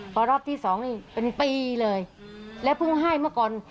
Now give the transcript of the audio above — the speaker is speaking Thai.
เพราะรอบที่๒นี่เป็นปีเลยและเพิ่งให้เมื่อก่อน